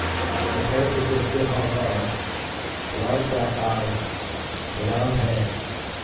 The charafters of a good hawk are; a large black eye, a round head